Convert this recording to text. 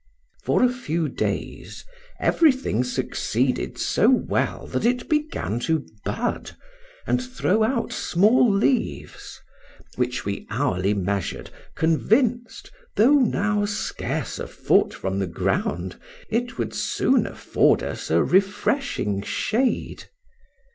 For a few days everything succeeded so well that it began to bud, and throw out small leaves, which we hourly measured convinced (tho' now scarce a foot from the ground) it would soon afford us a refreshing shade.